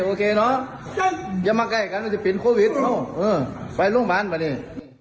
โอเคเนอะอย่ามาใกล้กันจะปิดโควิดไปร่วมวันไปนี่